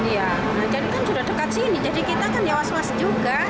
iya jadi kan sudah dekat sini jadi kita kan ya was was juga